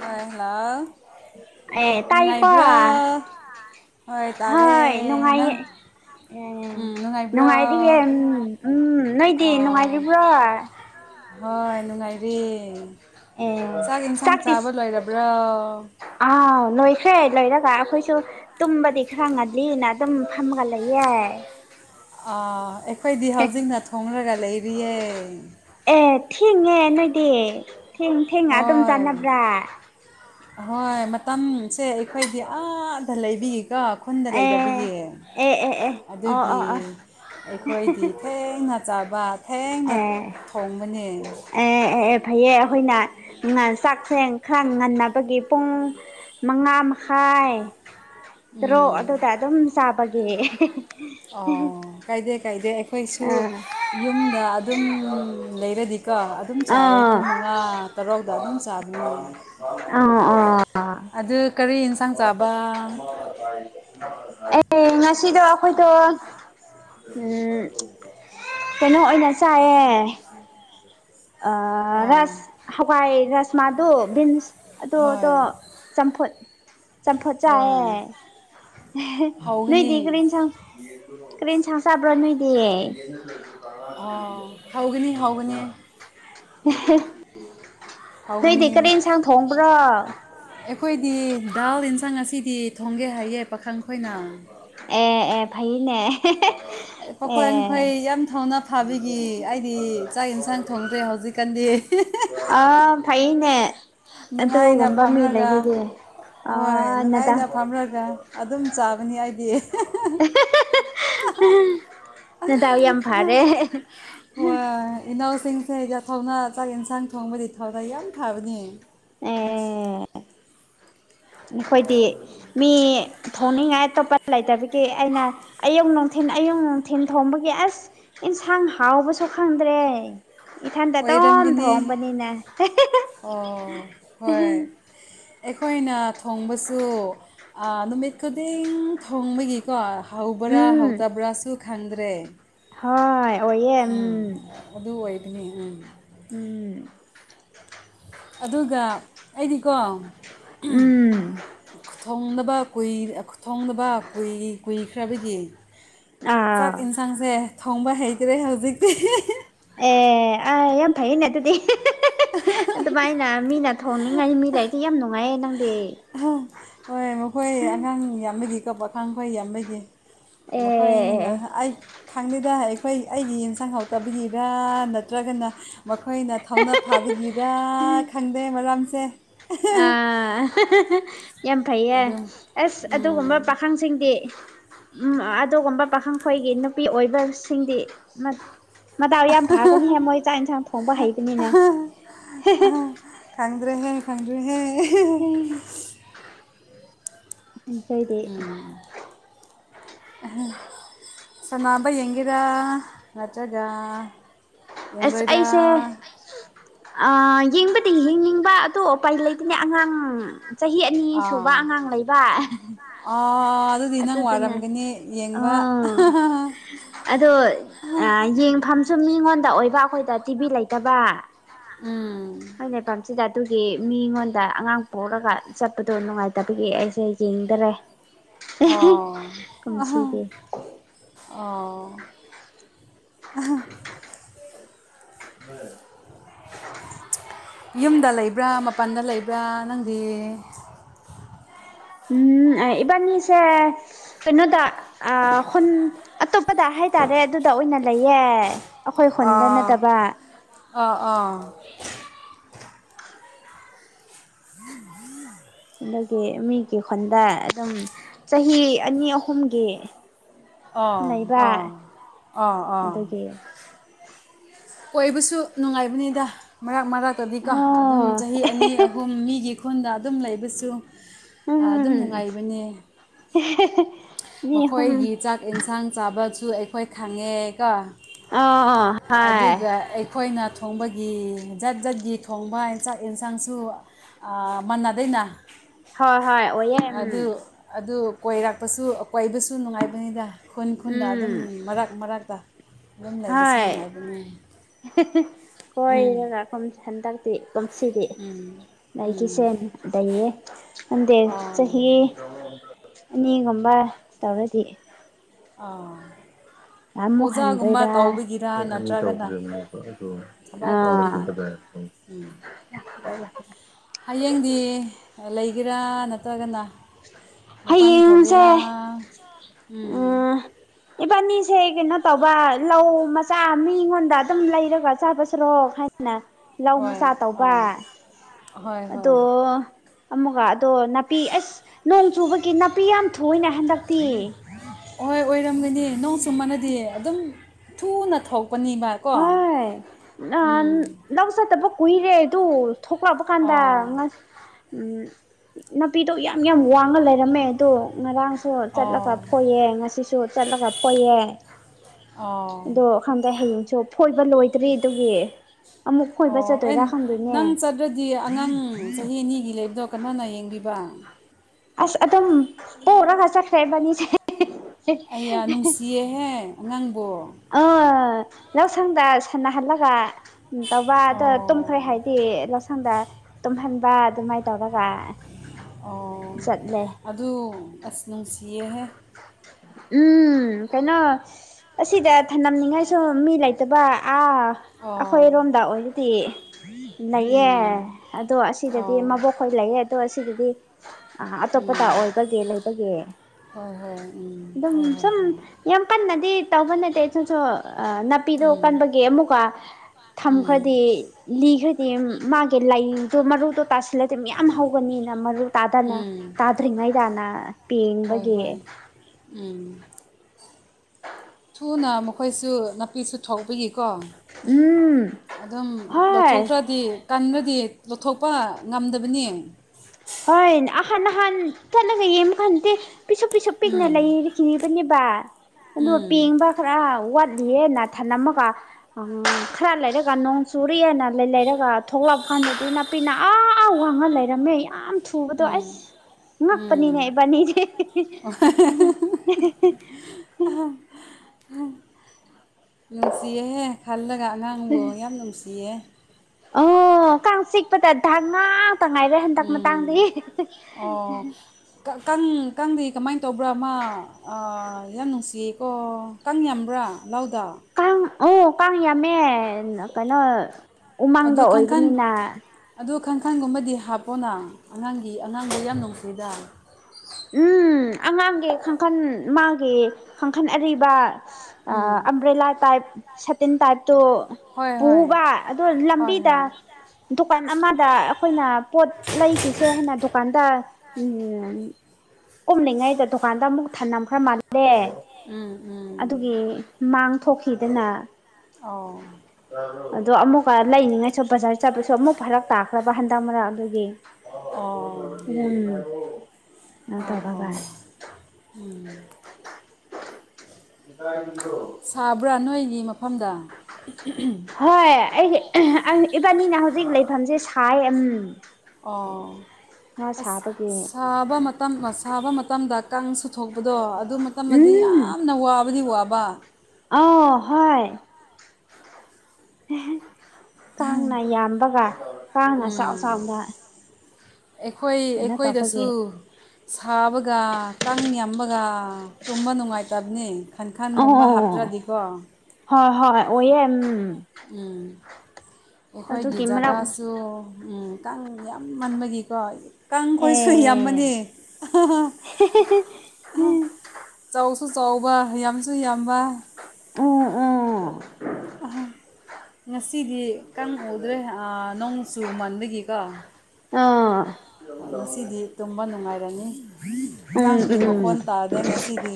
ꯍꯣꯏ ꯍꯜꯂꯣ ꯑꯦ ꯇꯥꯢꯌꯦꯀꯣ ꯅꯨꯡꯉꯥꯏꯕ꯭ꯔꯣ ꯍꯣꯏ ꯇꯥꯔꯦ ꯍꯣꯏ ꯅꯨꯡꯉꯥꯏꯌꯦ ꯅꯪ ꯑꯦ ꯎꯝ ꯅꯨꯡꯉꯥꯏꯕ꯭ꯔꯣ ꯅꯨꯡꯉꯥꯏꯔꯤꯌꯦ ꯎꯝ ꯎꯝ ꯅꯣꯏꯗꯤ ꯑꯣ ꯅꯨꯡꯉꯥꯏꯔꯤꯕ꯭ꯔꯣ ꯍꯣꯏ ꯅꯨꯡꯉꯥꯏꯔꯤ ꯑꯦ ꯆꯥꯛ ꯌꯦꯟꯁꯥꯡ ꯆꯥꯛꯇꯤꯁ ꯆꯥꯕ ꯂꯣꯏꯔꯕ꯭ꯔꯣ ꯑꯥꯎ ꯂꯣꯏꯈ꯭ꯔꯦ ꯂꯣꯏꯔꯒ ꯑꯩꯈꯣꯏꯁ ꯁꯨ ꯇꯨꯝꯕꯗꯤ ꯈꯔ ꯉꯜꯂꯤꯅ ꯑꯗꯨꯝ ꯐꯝꯃꯒ ꯂꯩꯌꯦ ꯑꯥ ꯑꯦ ꯑꯩꯈꯣꯏꯗꯤ ꯍꯧꯖꯤꯡꯅ ꯊꯣꯔꯒ ꯂꯩꯔꯤꯌꯦ ꯑꯦ ꯊꯦꯡꯉꯦ ꯅꯣꯏꯗꯤ ꯊꯦꯡ ꯊꯦꯡꯅ ꯑꯗꯨꯝ ꯍꯣꯏ ꯆꯥꯟꯅꯕ꯭ꯔ ꯍꯣꯏ ꯃꯇꯝ ꯁꯦ ꯑꯩꯈꯣꯏꯗꯤ ꯑꯥꯗ ꯂꯩꯕꯤꯌꯦꯀꯣ ꯈꯨꯟꯗ ꯑꯦ ꯂꯩꯇꯕꯒꯤ ꯑꯦ ꯑꯦ ꯑꯦ ꯑꯣ ꯑꯣ ꯑꯗꯨꯒꯤ ꯑꯣ [unintelligible] ꯑꯩꯈꯣꯏꯗꯤ ꯊꯦꯡꯅ ꯆꯥꯕ ꯊꯦꯡꯅ ꯑꯦ ꯊꯣꯡꯕꯅꯦ ꯑꯦ ꯑꯦ ꯑꯦ ꯐꯩꯌꯦ ꯑꯩꯈꯣꯏꯅ [unintelligible] ꯆꯥꯛꯁꯦ ꯈꯔ ꯉꯟꯅꯕꯒꯤ ꯄꯨꯡ ꯃꯉꯥ ꯃꯈꯥꯏ ꯇꯔꯨꯛ ꯎꯝ ꯑꯗꯨꯗ ꯑꯗꯨꯝ ꯆꯥꯕꯒꯤꯅꯦ ꯑꯣ ꯀꯥꯏꯗꯦ ꯀꯥꯏꯗꯦ ꯑꯩꯈꯣꯏꯁꯨ ꯑꯥ ꯌꯨꯝꯗ ꯑꯗꯨꯝ ꯂꯩꯔꯗꯤꯀꯣ ꯑꯗꯨꯝ ꯆꯥꯏꯑꯦ ꯑꯥ ꯄꯨꯡ ꯃꯉꯥ ꯇꯔꯨꯛꯇ ꯑꯗꯨꯝ ꯆꯥꯕꯅꯦ ꯑ ꯑꯣ ꯑꯗꯨ ꯀꯔꯤ ꯏꯟꯁꯥꯡ ꯆꯥꯕ ꯑꯦ ꯉꯁꯤꯗꯣ ꯑꯩꯈꯣꯏꯗꯣ ꯎꯝ ꯀꯩꯅꯣ ꯑꯣꯏꯅ ꯆꯥꯏꯌꯦ ꯑ ꯑꯥ ꯔꯁ ꯍꯋꯥꯏ ꯔꯁꯃꯗꯨ ꯕꯤꯟꯁ ꯑꯣꯗꯣꯗꯣ ꯍꯣꯏ ꯆꯝꯐꯨꯠ ꯆꯝꯐꯨꯠ ꯆꯥꯏꯌꯦ ꯍꯣꯏ ꯍꯥꯎꯒꯅꯤ ꯅꯣꯏꯗꯤ ꯀꯔꯤ ꯏꯟꯁꯥꯡ ꯀꯔꯤ ꯏꯟꯁꯥꯡ ꯆꯕ꯭ꯔꯣꯅꯣꯏꯗꯤ ꯑꯣ ꯍꯥꯎꯒꯅꯤ ꯍꯥꯎꯒꯅꯤ ꯅꯣꯏꯗꯤ ꯍꯥꯎꯒꯅꯤ ꯀꯔꯤ ꯏꯟꯁꯥꯡ ꯊꯣꯡꯕ꯭ꯔꯣ ꯑꯩꯈꯣꯏꯗꯤ ꯗꯥꯜ ꯏꯟꯁꯥꯡ ꯑꯁꯤꯗꯤ ꯊꯣꯡꯒꯦ ꯍꯥꯏꯌꯦ ꯄꯥꯈꯪ ꯈꯣꯏꯅ ꯑꯦ ꯑꯦ ꯐꯩꯅꯦ ꯑꯦ ꯄꯥꯈꯪꯈꯩꯏ ꯌꯥꯝ ꯊꯧꯅ ꯐꯥꯕꯒꯤ ꯑꯩꯗꯤ ꯆꯥꯛ ꯏꯟꯁꯥꯡ ꯊꯣꯡꯗꯦ ꯍꯧꯖꯤꯛꯀꯥꯟꯗꯤ ꯑ ꯐꯩꯅꯦ ꯅꯨꯡꯉꯥꯏꯅ ꯑꯗꯨꯒꯨꯝꯕ ꯃꯤ ꯐꯝꯔꯒ ꯂꯩꯔꯗꯤ ꯍꯣꯏ ꯑꯥ ꯅꯗꯥꯎ ꯅꯨꯡꯉꯥꯏꯅꯦ ꯐꯥꯝꯔꯒ ꯑꯗꯨꯝ ꯆꯥꯕꯅꯤ ꯑꯩꯗꯤ ꯅꯗꯥꯎ ꯌꯥꯝ ꯐꯔꯦ ꯍꯣꯏ ꯏꯅꯥꯎꯁꯤꯡꯁꯦ [unintelligible] ꯊꯧꯅ ꯆꯥꯛ ꯌꯦꯟꯁꯥꯡ ꯊꯣꯡꯕꯗꯤ ꯊꯧꯅ ꯌꯥꯝ ꯐꯕꯅꯦ ꯑꯦꯑꯦ ꯅꯈꯣꯏꯗꯤ ꯃꯤ ꯊꯣꯡꯅꯤꯡꯉꯥꯏ ꯑꯇꯣꯞꯄ ꯂꯩꯇꯕꯒꯤ ꯑꯩꯅ ꯑꯌꯨꯛ ꯅꯨꯡꯊꯤꯟ ꯑꯌꯨꯛ ꯅꯨꯡꯊꯤꯟ ꯊꯣꯡꯕꯒꯤ ꯑꯁ ꯏꯟꯁꯥꯡ ꯍꯥꯎꯕꯁꯨ ꯈꯪꯗ꯭ꯔꯦ ꯏꯊꯟꯗ ꯑꯗꯨꯝ ꯑꯣꯏꯔꯝꯒꯅꯤ ꯊꯣꯡꯕꯅꯤꯅꯦ ꯑꯣ ꯍꯣꯏ ꯑꯩꯈꯣꯏꯅ ꯊꯣꯡꯕꯁꯨ ꯑ ꯅꯨꯃꯤꯠ ꯈꯨꯗꯤꯡ ꯊꯣꯡꯕꯒꯤꯀꯣ ꯍꯧꯕ꯭ꯔ ꯎꯝ ꯍꯧꯇꯕ꯭ꯔꯁꯨ ꯈꯪꯗ꯭ꯔꯦ ꯍꯣꯏ ꯑꯣꯏꯌꯦ ꯎꯝ [unintelligible] ꯎꯝ ꯑꯗꯨꯒ ꯑꯩꯗꯤꯀꯣ ꯎꯝ ꯊꯣꯡꯅꯕ ꯀꯨꯏ ꯊꯣꯡꯗꯅꯕ ꯀꯨꯏ ꯀꯨꯏꯈ꯭ꯔꯕꯒꯤ ꯆꯥꯛ ꯑꯥ ꯏꯟꯁꯥꯡꯁꯦ ꯊꯣꯡꯕ ꯍꯩꯇꯔꯦ ꯍꯧꯖꯤꯛꯇꯤ ꯑꯦ ꯑ ꯌꯥꯝ ꯐꯩꯌꯦꯅꯦ ꯑꯗꯨꯗꯤ [unintelligible] ꯑꯗꯨꯃꯥꯏꯅ ꯃꯤꯅ ꯊꯣꯡꯅꯤꯡꯉꯥꯏꯅꯤ ꯃꯤ ꯂꯩꯔꯗꯤ ꯌꯥꯝ ꯅꯨꯡꯉꯥꯏꯌꯦ ꯅꯪꯗꯤ ꯍꯣꯏ ꯃꯈꯣꯏ ꯑꯉꯥꯡ ꯌꯥꯝꯕꯒꯤ ꯀꯣ ꯄꯈꯪ ꯈꯣꯏ ꯌꯥꯝꯕꯒꯤ ꯑꯦ ꯑꯦ ꯃꯈꯣꯏꯅ ꯑꯦ ꯑꯩ ꯈꯪꯅꯤꯗ ꯑꯩꯈꯣꯏ ꯑꯩꯒꯤ ꯌꯦꯟꯁꯥꯡ ꯍꯥꯎꯇꯕꯤꯒꯤꯔ ꯅꯠꯇ꯭ꯔꯒꯅ ꯃꯈꯣꯏꯅ ꯊꯧꯅꯥ ꯐꯥꯕꯤꯒꯤꯔ ꯈꯪꯗꯦ ꯃꯔꯝꯁꯦ ꯑꯥ ꯍꯤꯍꯤ ꯌꯥꯝ ꯐꯩꯌꯦ ꯑꯗꯨꯝ ꯑꯁ ꯎꯝ ꯑꯗꯨꯒꯨꯝꯕ ꯄꯥꯈꯪꯁꯤꯡꯗꯤ ꯎꯝ ꯑꯗꯨꯒꯨꯝꯕ ꯄꯥꯈꯪꯈꯣꯏꯒꯤ ꯅꯨꯄꯤ ꯑꯣꯏꯕꯁꯤꯡꯗꯤ ꯃꯇꯥꯎ ꯌꯥꯝ ꯐꯥꯒꯅꯤꯍꯦ ꯃꯣꯏ ꯆꯥꯛ ꯌꯦꯟꯁꯥꯡ ꯊꯣꯡꯕ ꯍꯩꯕꯅꯤꯅꯦ ꯑꯥ ꯈꯪꯗ꯭ꯔꯦꯍꯦ ꯈꯪꯗ꯭ꯔꯦꯍꯦ ꯎꯝ ꯑꯩ ꯀꯩꯗꯤ ꯁꯅꯥꯕ ꯌꯦꯡꯒꯦꯔꯥ ꯅꯠꯇ꯭ꯔꯒ ꯑꯁ ꯌꯦꯡꯂꯣꯏꯗꯥ ꯑꯩꯁꯦ ꯑꯥ ꯌꯦꯡꯕꯗꯤ ꯌꯦꯡꯅꯤꯡꯕ ꯑꯗꯣ ꯎꯄꯥꯏ ꯂꯩꯇꯅꯦ ꯑꯉꯥꯡ ꯆꯍꯤ ꯑꯅꯤ ꯑꯥ ꯁꯨꯕ ꯑꯉꯥꯡ ꯂꯩꯕ ꯑꯥ ꯑꯗꯨꯗꯤ ꯑꯗꯨ ꯅꯪ ꯗꯨꯅꯦ ꯋꯥꯔꯝꯒꯅꯤ ꯌꯦꯡꯕ ꯑꯥ ꯑꯗꯣ ꯌꯦꯡꯐꯝꯁꯨ ꯃꯤꯉꯣꯟꯗ ꯑꯣꯏꯕ ꯑꯩꯈꯣꯏꯗ ꯇꯤꯚꯤ ꯂꯩꯇꯕ ꯎꯝ ꯑꯩꯈꯣꯏ ꯂꯩꯐꯝꯁꯤꯗ ꯑꯗꯨꯒꯤ ꯃꯤꯉꯣꯟꯗ ꯑꯉꯥꯡ ꯄꯣꯛꯂꯒ ꯆꯠꯄꯗꯣ ꯅꯨꯡꯉꯥꯏꯇꯕꯒꯤ ꯑꯩꯁꯦ ꯌꯦꯡꯗꯔꯦ ꯑꯣ ꯑꯍꯝ ꯀꯨꯝꯁꯤꯗꯤ ꯑꯣ ꯑꯍꯝ ꯍꯝ ꯌꯨꯝꯗ ꯂꯩꯕ꯭ꯔꯥ ꯃꯄꯜꯗ ꯂꯩꯕ꯭ꯔꯥ ꯅꯪꯗꯤ ꯎꯝ ꯏꯕꯥꯅꯤꯁꯦ ꯀꯩꯅꯣꯗ ꯑꯥ ꯈꯨꯟ ꯑꯇꯣꯞꯄꯗ ꯍꯥꯏꯇꯥꯔꯦ ꯑꯗꯨꯗ ꯑꯣꯏꯅ ꯂꯩꯌꯦ ꯑꯩꯈꯣꯏ ꯈꯨꯟꯗ ꯑꯥ ꯅꯠꯇꯕ ꯑꯥ ꯑꯥ ꯑꯥ ꯎꯝ ꯎꯝ ꯑꯗꯨꯒꯤ ꯃꯤꯒꯤ ꯈꯨꯣꯟꯗ ꯑꯗꯨꯝ ꯆꯍꯤ ꯑꯅꯤ ꯑꯍꯨꯝꯒꯤ ꯑꯥ ꯂꯩꯕ ꯑꯥ ꯑꯥ ꯑꯗꯨꯒꯤ ꯑꯣꯏꯕꯁꯨ ꯅꯨꯡꯉꯥꯏꯕꯅꯤꯗ ꯃꯔꯛ ꯃꯔꯛꯇꯗꯤꯀꯣ ꯑꯗꯨꯝ ꯑꯣ ꯆꯍꯤ ꯑꯅꯤ ꯑꯍꯨꯝ ꯃꯤꯒꯤ ꯏꯈꯨꯜꯗ ꯑꯗꯨꯝ ꯂꯩꯕꯁꯨ ꯑꯗꯨꯝ ꯎꯝ ꯅꯨꯡꯉꯥꯏꯕꯅꯤ ꯑꯅꯤ ꯑꯍꯨꯝ ꯃꯈꯣꯏꯒꯤ ꯆꯥꯛ ꯌꯦꯟꯁꯥꯡ ꯆꯥꯕꯁꯨ ꯑꯩꯈꯣꯏ ꯈꯪꯉꯦꯀꯣ ꯑꯣ ꯑꯣ ꯍꯣꯏ ꯑꯩꯈꯣꯏꯅ ꯊꯣꯡꯕꯒꯤ ꯒꯤ ꯖꯠ ꯖꯠꯒꯤ ꯊꯣꯡꯕ ꯆꯥꯛ ꯌꯦꯟꯁꯥꯡꯁꯨ ꯃꯅꯗꯩꯅ ꯍꯣꯏ ꯍꯣꯏ ꯑꯣꯏꯌꯦ ꯑꯗꯨ ꯎꯝ ꯑꯗꯨ ꯀꯣꯏꯔꯛꯄꯁꯨ ꯀꯣꯏꯕꯁꯨ ꯅꯨꯡꯉꯥꯏꯕꯅꯤꯗ ꯈꯨꯟ ꯈꯨꯟꯗ ꯑꯗꯨꯝ ꯎꯝ ꯃꯔꯛ ꯃꯔꯥꯛꯛꯇ ꯑꯗꯨꯝ ꯂꯩꯕꯁꯦ ꯅꯨꯡꯉꯥꯏꯕ ꯅꯦ ꯀꯣꯏꯨꯝ ꯁꯦꯟꯇ [unintelligible] ꯀꯨꯝꯁꯤꯗꯤ ꯎꯝ ꯎꯝ ꯂꯩꯒꯤꯁꯦꯟ ꯂꯩꯌꯦ ꯈꯟꯗꯦ ꯑꯧ ꯆꯍꯤ ꯑꯅꯤꯒꯨꯝꯕ ꯇꯧꯔꯗꯤ ꯑꯥ ꯑꯥ ꯑꯃꯨꯛ ꯍꯟꯗꯣꯏꯔ ꯅꯠꯇ꯭ꯔꯒꯅ ꯊꯕꯛ ꯑꯥ ꯇꯧꯕꯒꯤ ꯎꯝ ꯌꯥ ꯍꯌꯦꯡꯗꯤ ꯂꯩꯒꯦꯔꯥ ꯅꯠꯇ꯭ꯔꯒꯅ ꯃꯄꯥꯟ ꯍꯌꯦꯡꯁꯦ ꯊꯣꯛꯀꯦꯔꯥ ꯎꯝ ꯏꯕꯥꯅꯤꯁꯦ ꯀꯩꯅꯣ ꯇꯧꯕ ꯂꯧ ꯃꯆꯥ ꯃꯤꯉꯣꯟꯗ ꯑꯗꯨꯝ ꯂꯩꯔꯒ ꯆꯥꯕ ꯁꯔꯨꯛ ꯍꯥꯏꯅ ꯅ ꯂꯧ ꯍꯣꯏ ꯃꯆꯥ ꯇꯧꯕ ꯑꯥ ꯍꯣꯏ ꯑꯗꯣ ꯍꯣꯏ ꯑꯃꯨꯛꯒ ꯑꯗꯣ ꯅꯥꯄꯤ ꯑꯁ ꯅꯣꯡ ꯆꯨꯕꯒꯤ ꯅꯥꯄꯤ ꯌꯥꯝ ꯊꫭꯏꯅꯦ ꯍꯟꯗꯛꯇꯤ [inaudible] ꯍꯣꯏ ꯑꯣꯏꯔꯝꯒꯅꯤ ꯅꯣꯡꯁꯨ ꯃꯥꯟꯅꯗꯦ ꯑꯗꯨꯝ ꯊꯨꯅ ꯊꫭ ꯍꫭꯏ ꯅꯍꯥꯟ ꯎꯝ ꯂꯧ ꯆꯠꯇꯕ ꯀꯨꯏꯔꯦ ꯑꯗꯨ ꯊꯣꯛꯂꯛꯑꯕ ꯀꯥꯟꯗ ꯑꯣ ꯉ ꯎꯝ ꯅꯥꯄꯤꯗꯣ ꯌꯥꯝ ꯌꯥꯝ ꯋꯥꯡꯅ ꯂꯩꯔꯝꯃꯦ ꯑꯗꯣ ꯉꯔꯥꯡ [unintelligible] ꯑꯣ ꯆꯠꯂꯒ ꯐꯣꯏꯌꯦ ꯉꯁꯤꯁꯨ ꯆꯠꯂꯒ ꯐꯣꯏꯌꯦ ꯑꯣ ꯑꯗꯣ ꯈꯟꯗꯦ ꯍꯌꯦꯡꯁꯨ ꯐꯣꯏꯕ ꯂꯣꯏꯗ꯭ꯔꯤ ꯑꯗꯨꯒꯤ ꯑꯃꯨꯛ ꯐꯣꯏꯕ ꯑꯣ ꯑꯦ ꯆꯠꯇꯣꯏꯔꯥ ꯈꯪꯗꯣꯏꯅꯦ ꯅꯪ ꯆꯠꯔꯗꯤ ꯑꯉꯥꯡ ꯆꯍꯤ ꯑꯅꯤꯒꯤ ꯂꯩꯕꯗꯣ ꯀꯅꯥꯅ ꯌꯦꯡꯕꯤꯕ ꯑꯁ ꯑꯗꯨꯝ ꯄꯣꯔꯒ ꯆꯠꯈ꯭ꯔꯦ ꯏꯕꯥꯅꯤꯁꯦ [unintelligible] ꯑꯩꯌꯥ ꯅꯨꯡꯁꯤꯌꯦꯍꯦ ꯑꯉꯥꯡꯕꯣ [unintelligible] ꯂꯧꯁꯪꯗ ꯁꯥꯟꯅꯍꯜꯂꯒ ꯎꯝ ꯇꯧꯕ ꯑꯗꯣ ꯑꯣ ꯇꯨꯝꯈ꯭ꯔꯦ ꯍꯥꯏꯗꯤ ꯂꯧꯁꯪꯗ ꯇꯨꯝꯍꯟꯕ ꯑꯗꯨꯝꯃꯥꯏ ꯇꯧꯔꯒ ꯑꯣ ꯆꯠꯂꯦ ꯑꯗꯨ ꯑꯁ ꯅꯨꯡꯁꯤꯌꯦꯍꯦ ꯎꯝ ꯀꯩꯅꯣ ꯑꯁꯤꯗ ꯊꯝꯅꯝꯅꯤꯡꯉꯥꯏꯁꯨ ꯃꯤ ꯂꯩꯇꯕ ꯑꯥ ꯑꯣ ꯑꯈꯣꯏꯔꯣꯝꯗ ꯑꯣꯏꯔꯗꯤ ꯂꯩꯌꯦ ꯎꯝ ꯑꯗꯣ ꯑꯁꯤꯗꯗꯤ ꯑꯣ ꯃꯕꯣꯛꯈꯣꯏ ꯂꯩꯌꯦ ꯑꯗꯣ ꯑꯁꯤꯗꯗꯤ ꯑ ꯑꯇꯣꯞꯄꯗ ꯎꯝ ꯑꯣꯏꯕꯒꯤ ꯂꯩꯕꯒꯤ ꯍꯣꯏ ꯍꯣꯏ ꯎꯝ ꯍꯣꯏ ꯑꯗꯨꯝ ꯍꯣꯏ ꯁꯨꯝ ꯍꯣꯏ ꯌꯥꯝ ꯀꯟꯅꯗꯤ ꯇꯧ ꯕ ꯅꯠꯇꯦ [unintelligible] ꯑ‌ ꯅꯥꯄꯤꯗꯣ ꯎꯝ ꯀꯟꯕꯒꯤ ꯑꯃꯨꯛꯀ ꯎꯝ ꯊꯝꯈ꯭ꯔꯗꯤ ꯂꯤꯈ꯭ꯔꯗꯤ ꯃꯥꯒꯤ ꯂꯩꯗꯣ ꯃꯔꯨꯗꯣ ꯇꯥꯁꯟ ꯂꯗꯤ ꯃꯌꯥꯝ ꯍꯧꯒꯅꯤꯅ ꯃꯔꯨ ꯇꯥꯗꯅ ꯎꯝ ꯇꯥꯗ꯭ꯔꯤꯉꯩꯗꯅ ꯍꯣꯏ ꯄꯦꯡꯕꯒꯤ ꯍꯣꯏ ꯎꯝ [inaudible] ꯊꯨꯅ ꯃꯈꯣꯏꯁꯨ ꯅꯥꯄꯤꯁꯨ ꯊꯣꯛꯄꯒꯤ ꯀꯣ ꯎꯝ ꯑꯗꯨꯝ ꯍꯣꯏ ꯂꯧꯊꯣꯛꯇ꯭ꯔꯗꯤ ꯀꯟꯔꯗꯤ ꯂꯧꯊꯣꯛꯄ ꯉꯝꯗꯕꯅꯦ ꯍꯣꯏ ꯑꯍꯥꯟ ꯑꯍꯥꯟ [unintelligible] ꯌꯦꯡꯕꯀꯥꯟꯗꯗꯤ ꯄꯤꯁꯛ ꯄꯤꯁꯛ ꯄꯤꯛꯅ ꯎꯝ ꯂꯩꯈꯤꯕꯅꯦꯕ ꯑꯗꯨꯒ ꯎꯝ ꯄꯦꯡꯕ ꯈꯔ ꯋꯥꯠ ꯊꯠꯂꯤꯌꯦꯅ ꯊꯅꯝꯃꯒ [unintelligible] ꯈꯔ ꯂꯩꯔꯒ ꯅꯣꯡ ꯆꯨꯔꯤ ꯍꯥꯏꯅ ꯂꯩꯔꯒ ꯊꯣꯛꯂꯛ ꯃꯥꯟꯗꯗꯤ ꯅꯥꯄꯤꯅ ꯑꯥ ꯋꯥꯡꯉ ꯂꯩꯔꯝꯃꯦ ꯊꯨꯕꯗꫭ ꯎꯝ ꯑꯁ ꯎꯝ ꯉꯛꯄꯅꯤꯅꯦ ꯏꯕꯥꯅꯤꯗꯤ [unintelligible] [unintelligible] ꯅꯨꯡꯁꯤꯌꯦꯍꯦ ꯈꯜꯂꯒ ꯑꯉꯥꯡꯕꯨ ꯌꯥꯝ ꯅꯨꯡꯁꯤꯌꯦ ꯑꯣ ꯀꯥꯡ ꯆꯤꯛꯄꯗ ꯗꯥꯛ ꯉꯥꯛ ꯇ ꯉꯥꯏꯔꯦ ꯍꯟꯗꯛ ꯃꯇꯥꯡꯗꯤ ꯎꯝ [unintelligible] ꯀꯪꯗꯤ ꯀꯝꯃꯥꯏ ꯇꯧꯕ꯭ꯔ ꯃꯥ ꯑꯥ ꯌꯥꯝ ꯅꯨꯡꯁꯤꯌꯦꯀꯣ ꯀꯥꯡ ꯌꯥꯝꯕ꯭ꯔ ꯂꯧꯗ ꯑꯧ ꯀꯥꯡ ꯌꯥꯝꯃꯦ ꯀꯩꯅꯣ ꯎꯃꯪꯗ ꯑꯗꫭ ꯈꯟꯈꯟ ꯑꯣꯏꯕꯅꯤꯅ ꯑꯗꯨ ꯈꯟꯈꯟꯒꯨꯝꯕꯗꯤ ꯍꯥꯞ ꯄꫭꯅ ꯑꯉꯥꯡꯒꯤ ꯑꯉꯥꯡꯗꫭ ꯌꯥꯝ ꯅꯨꯡꯁꯤꯗ ꯎꯝ ꯑꯉꯥꯡꯒꯤ ꯈꯪꯈꯟ ꯃꯥꯒꯤ ꯈꯪꯈꯟ ꯑꯔꯤꯕ ꯑꯥ ꯎꯝ ꯑꯝꯕ꯭ꯔꯦꯂꯥ ꯇꯥꯏꯞ ꯁꯥꯇꯤꯟ ꯇꯥꯏꯞ ꯇꫭ ꯍꯣꯏ ꯍꯣꯏ ꯄꯨꯕ ꯑꯗꯣ ꯍꯣꯏ ꯂꯝꯕꯤꯗ ꯍꯣꯏ ꯗꯨꯀꯥꯟ ꯑꯃꯗ ꯑꯈꯣꯏꯅ ꯄꯣꯠ ꯂꯩꯈꯤꯁꯦ ꯍꯥꯏꯅ ꯗꯨꯀꯥꯟꯗ ꯎꯝ ꯀꯨꯝꯂꯤꯉꯩꯗ ꯗꯨꯀꯥꯟꯗ ꯑꯃꯨꯛ ꯊꯟꯅꯝꯈ꯭ꯔ ꯃꯥꯜꯂꯦ ꯎꯝ ꯎꯝ ꯑꯗꯨꯒꯤ ꯃꯥꯡꯊꯣꯛꯈꯤꯗꯅ ꯑꯧ ꯑꯗꯣ ꯑꯃꯨꯛꯀ ꯂꯩꯅꯤꯡꯉꯥꯏꯁꯨ ꯕꯖꯥꯔ ꯆꯠꯄꯁꯨ ꯑꯃꯨꯛ ꯐꯔꯛ ꯇꯥꯈ꯭ꯔꯕ ꯍꯟꯗꯛ ꯃꯔꯛ ꯑꯗꯨꯒꯤ ꯑꯣ [unintelligible] ꯎꯝ ꯑ ꯑꯣ ꯑꯣ ꯇꯧꯕꯒ ꯎꯝ [unintelligible] [unintelligible] ꯃꯤ ꯃꯐꯝꯗ [unintelligible] ꯑꯩꯒꯤ [unintelligible] ꯏꯕꯥꯅꯤꯅ ꯍꯧꯖꯤꯛ ꯂꯩꯐꯝꯁꯦ ꯁꯥꯏ ꯎꯝ ꯑꯣ ꯉꯥ ꯑꯁ ꯁꯥꯕꯒꯤ ꯁꯥꯕ ꯃꯇꯝ ꯁꯥꯕ ꯃꯇꯝꯗ ꯀꯥꯡꯁꯨ ꯊꯣꯛꯄꯗꯣ ꯑꯗꯨ ꯃꯇꯝꯗꯗꯤ ꯎꯝ ꯌꯥꯝꯅ ꯋꯥꯕꯗꯤ ꯋꯥꯕ ꯑꯣ ꯍꫭꯏ [unintelligible] ꯀꯥꯡꯅ ꯌꯥꯝꯕꯒ ꯀꯥꯡꯅ ꯆꯥꯎ ꯎꯝ ꯆꯥꯎꯅ ꯑꯩꯈꯣꯏ ꯀꯩꯅꯣ ꯇꯧꯕꯒꯤ ꯑꯩꯈꯣꯏꯗꯁꯨ ꯁꯥꯕꯒ ꯀꯥꯡ ꯌꯥꯝꯕꯒ ꯇꯨꯝꯕ ꯅꯨꯡꯉꯥꯏꯇꯝꯅꯦ ꯈꯟꯈꯟꯒꯨꯝꯕ ꯑꯣ ꯍꯥꯞꯇ꯭ꯔꯗꯤꯀꯣ ꯍꯣꯏ ꯍꯣꯏ ꯑꯣꯏꯌꯦ ꯎꯝ ꯎꯝ ꯑꯩꯈꯣꯏꯒꯤ ꯑꯗꯨꯒꯤ ꯃꯔꯛ ꯖꯒꯥꯁꯨ ꯎꯝ ꯀꯥꯡ ꯌꯥꯝꯃꯟꯕꯒꯤꯀꯣ ꯀꯥꯡ ꯈꯣꯏꯁꯨ ꯑꯦ ꯌꯥꯝꯕꯅꯦ [unintelligible] ꯌꯥꯝꯁꯨ ꯆꯥꯎꯕ ꯌꯥꯝꯁꯨ ꯌꯥꯝꯕ ꯎꯝ ꯎꯝ [unintelligible] ꯉꯁꯤꯗꯤ ꯀꯥꯡ ꯎꯗ꯭ꯔꯦ ꯑ ꯅꯣꯡ ꯆꯨꯃꯟꯕꯒꯤꯀꯣ ꯑꯥ ꯉꯁꯤꯗꯤ ꯇꯨꯝꯕ ꯅꯨꯡꯉꯥꯏꯔꯅꯤ ꯎꯝ ꯀꯥꯡꯒꯤ ꯎꯝ ꯃꯈꯣꯟ ꯇꯥꯗꯦ ꯉꯁꯤꯗꯤ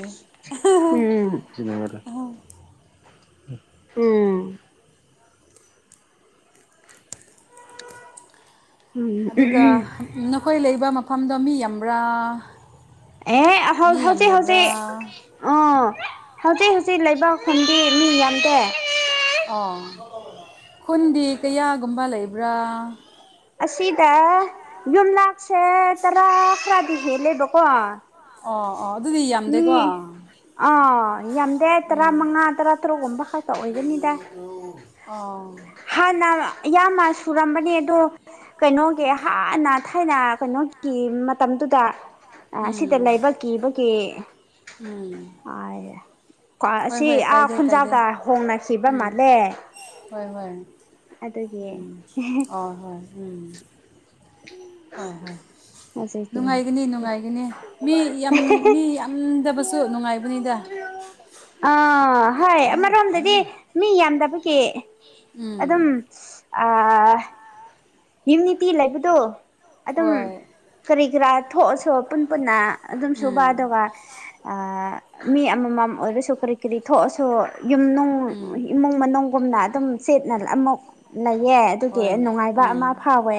ꯎꯝ [unintelligible] [unintelligible] ꯑꯗꯨꯒ ꯎꯝ ꯅꯈꯣꯏ ꯂꯩꯕ ꯃꯐꯝꯗꯣ ꯃꯤ ꯌꯥꯝꯕ꯭ꯔ ꯑꯦ ꯍꯧ ꯍꯧꯖꯤꯛ ꯍꯧꯖꯤꯛ ꯑ [unintelligible] ꯍꯧꯖꯤꯛ ꯍꯧꯖꯤꯛ ꯂꯩꯕ [unintelligible] ꯃꯐꯝꯗꯤ ꯃꯤ ꯌꯥꯝꯗꯦ ꯑꯣ ꯈꯨꯟꯗꯤ ꯀꯌꯥꯒꯨꯝꯕ ꯂꯩꯕ꯭ꯔ ꯑꯁꯤꯗ ꯌꯨꯝꯂꯥꯛꯁꯦ ꯇꯔꯥ ꯈꯔꯗꯤ ꯍꯦꯜꯂꯦꯕꯀꯣ ꯑꯣ ꯑꯣ ꯑꯗꯨꯗꯤ ꯌꯥꯝꯗꯦꯀꯣ ꯃꯤ ꯑꯥ ꯌꯥꯝꯗꯦ ꯎꯝ ꯇꯔꯥꯃꯉꯥ ꯇꯔꯥꯇꯔꯨꯛꯒꯨꯝꯕ ꯈꯛꯇ ꯑꯣꯏꯒꯅꯤꯗ ꯑꯣ ꯍꯥꯟꯅ ꯌꯥꯝꯅ ꯁꯨꯔꯝꯕꯅꯦ ꯑꯗꯣ ꯀꯩꯅꯣꯒꯤ ꯍꯥꯟꯅ ꯊꯥꯏꯅ ꯀꯩꯅꯣꯒꯤ ꯃꯇꯝꯗꯨꯗ ꯑ ꯁꯤꯗ ꯎꯝ ꯂꯩꯥꯕ ꯀꯤꯕꯒꯤ ꯎꯝ [unintelligible] ꯍꯣꯏ ꯑꯁꯤ ꯍꯣꯏ ꯑꯥ ꯀꯥꯏꯗꯦ ꯀꯥꯏꯗꯦ ꯈꯨꯟꯖꯥꯎꯗ ꯍꯣꯡꯅꯈꯤꯕ ꯎꯝ ꯃꯥꯜꯂꯦ ꯍꯣꯏ ꯍꯣꯏ ꯑꯗꯨꯒꯤ ꯎꯝ ꯑ ꯍꯣꯏ ꯎꯝ ꯍꯣꯏ ꯍꯣꯏ ꯍꯧꯖꯤꯛꯇꯤ ꯅꯨꯡꯉꯥꯏꯒꯅꯤ ꯅꯨꯡꯉꯥꯏꯒꯅꯤ ꯃꯤ ꯌꯥꯝ ꯃꯤ ꯌꯥꯝꯗꯕꯁꯨ ꯅꯨꯡꯉꯥꯏꯕꯅꯤꯗ ꯑ ꯑ ꯍꯥꯏ ꯑꯃꯔꯣꯝꯗꯗꯤ ꯃꯤ ꯌꯥꯝꯗꯕꯒꯤ ꯑꯗꯨꯝ ꯎꯝ ꯑꯥ ꯌꯨꯅꯤꯇꯤ ꯂꯩꯕꯗꯣ ꯑꯗꯨꯝ ꯍꯣꯏ ꯀꯔꯤ ꯔ ꯊꯣꯛꯑꯁꯨ ꯄꯨꯟ ꯄꯨꯟꯅ ꯑꯗꯨꯝ ꯁꯨꯕ ꯎꯝ ꯑꯗꯨꯒ ꯑꯥ ꯃꯤ ꯑꯃꯃꯝ ꯑꯣꯏꯔꯁꯨ ꯀꯔꯤ ꯀꯔꯤ ꯊꯣꯛꯑꯁꯨ ꯌꯨꯝꯅꯨꯡ ꯎꯝ ꯏꯃꯨꯡ ꯃꯅꯨꯡ ꯒꯨꯝꯅ ꯑꯗꯨꯝ ꯆꯦꯠꯅ ꯑꯃꯨꯛ ꯂꯩꯌꯦ ꯑꯗꯨꯒꯤ ꯍꯣꯏ ꯅꯨꯡꯉꯥꯏꯕ ꯎꯝ ꯑꯃ ꯐꯥꯎꯋꯦ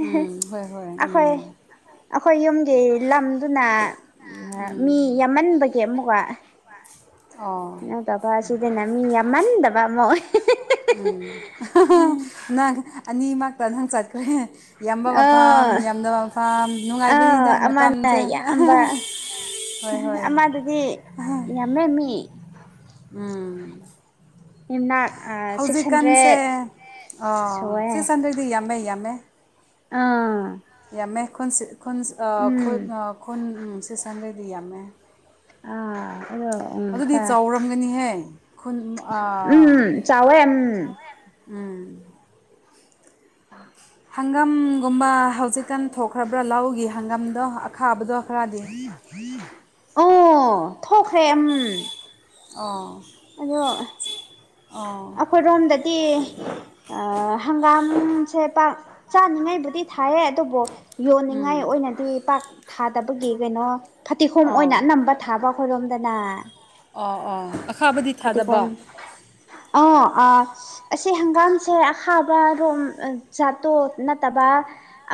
ꯎꯝ ꯍꯣꯏ ꯍꯣꯏ ꯎꯝ ꯑꯩꯈꯣꯏ ꯌꯨꯝꯒꯤ ꯂꯝꯗꯨꯅ ꯃꯤ ꯎꯝ ꯌꯥꯝꯃꯟꯕꯒꯤ ꯑꯃꯨꯛꯀ ꯑꯣ ꯁꯤꯗꯅ ꯃꯤ ꯌꯥꯝꯃꯟꯗꯕ ꯑꯃ ꯑꯣꯏ ꯎꯝ ꯅꯪ ꯑꯅꯤꯃꯛꯇ ꯅꯪ ꯆꯠꯈ꯭ꯔꯦ ꯌꯥꯝꯕ ꯑ ꯃꯐꯝ ꯌꯥꯝꯗꯕ ꯃꯐꯝ ꯑꯥ ꯅꯨꯡꯉꯥꯏꯕꯅꯤꯗ ꯑꯃꯅ ꯃꯇꯝꯁꯦ ꯌꯥꯝꯕ ꯍꯣꯏ ꯍꯣꯏ ꯑꯃꯗꯨꯗꯤ ꯌꯥꯝꯃꯦ ꯃꯤ ꯎꯝ ꯌꯨꯝꯅꯥꯛ ꯁꯤꯛꯁ ꯍꯧꯖꯤꯛꯀꯥꯟꯁꯦ ꯍꯟꯗ꯭ꯔꯦꯠ ꯁꯨꯋꯦ ꯁꯤꯛꯁ ꯍꯟꯗ꯭ꯔꯦꯗꯗꯤ ꯌꯥꯝꯃꯦ ꯌꯥꯝꯃꯦ ꯑꯥ ꯌꯥꯝꯃꯦ ꯈꯨꯟ ꯈꯨꯟ ꯎꯝ ꯈꯨ ꯈꯨꯟ ꯁꯤ ꯁꯟꯗꯦꯗꯤ ꯌꯥꯝꯃꯦ [unintelligible] ꯑ ꯎꯝ ꯑꯗꯨꯗꯤ ꯆꯥꯎꯔꯝꯒꯅꯤꯍꯦ ꯈꯨꯟ ꯑ, ꯋꯦꯝ ꯎꯝ ꯑ ꯍꯪꯒꯝꯒꯨꯝꯕ ꯍꯧꯖꯤꯛꯀꯥꯟ ꯊꯣꯛꯈ꯭ꯔꯕ꯭ꯔꯥ ꯂꯧꯒꯤ ꯍꯪꯒꯝꯗꯣ ꯑꯈꯥꯕꯗꯣ ꯈꯔꯗꯤ ꯑꯣ ꯊꯣꯛꯈ꯭ꯔꯦ ꯎꯝ ꯑꯣ ꯑꯗꯣ ꯑꯣ ꯑꯩꯈꯣꯏ ꯔꯣꯝꯗꯗꯤ ꯍꯪꯒꯥꯝꯁꯦ ꯄꯥꯛ ꯆꯥꯅꯤꯡꯉꯥꯏꯕꯨꯗꯤ ꯊꯥꯏꯌꯦ ꯑꯗꯨꯕꯨ ꯌꯣꯟꯅꯤꯡꯉꯥꯏ ꯎꯝ ꯑꯣꯏꯅꯗꯤ ꯄꯥꯛ ꯊꯥꯗꯕꯒꯤ ꯀꯩꯅꯣ ꯐꯇꯤꯒꯣꯝ ꯑꯣ ꯑꯣꯏꯅ ꯑꯅꯝꯕ ꯊꯥꯕ ꯑꯩꯈꯣꯏꯔꯣꯝꯗꯅ ꯑꯣ ꯑꯣꯥ ꯑꯈꯥꯕꯗꯤ ꯊꯥꯗꯕ ꯑ ꯑ ꯑꯁꯤ ꯍꯪꯒꯥꯝꯁꯦ ꯑꯈꯥꯕ ꯔꯣꯝ ꯖꯥꯠꯇꯣ ꯅꯠꯇꯕ [unintelligible]